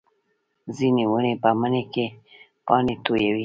ځینې ونې په مني کې پاڼې تویوي